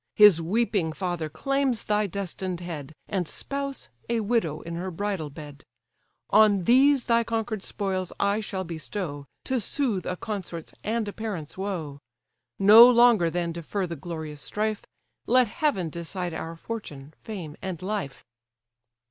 His weeping father claims thy destined head, And spouse, a widow in her bridal bed. On these thy conquer'd spoils I shall bestow, To soothe a consort's and a parent's woe. No longer then defer the glorious strife, Let heaven decide our fortune, fame, and life."